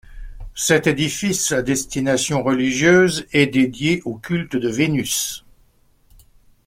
Cet édifice à destination religieuse est dédié au culte de Vénus.